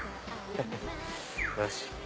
よし！